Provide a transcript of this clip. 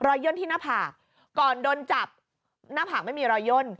ย่นที่หน้าผากก่อนโดนจับหน้าผากไม่มีรอยย่น